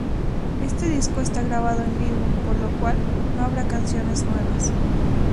Éste disco está grabado en vivo, por lo cual, no habrá canciones nuevas.